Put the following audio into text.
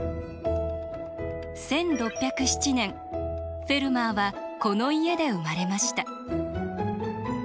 １６０７年フェルマーはこの家で生まれました。